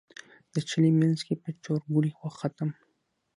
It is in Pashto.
د چلې منځ کې په چورګوړي وختم.